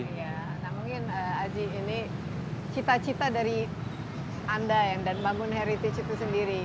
ya mungkin aji ini cita cita dari anda dan bangunan heritage itu sendiri